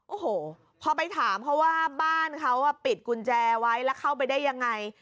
โอ้โหพอไปถามเขาว่าบ้านเขาปิดกุญแจไว้แล้วเข้าไปได้ยังไง